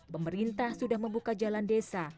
pemerintah sudah membuka jalan desa